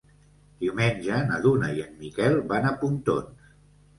Diumenge na Duna i en Miquel van a Pontons.